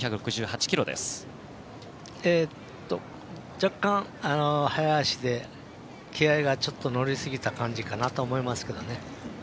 若干、早足で気合いがちょっと乗りすぎた感じかと思いますけどね。